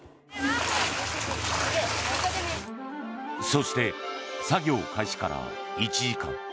そして、作業開始から１時間。